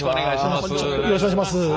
よろしくお願いします。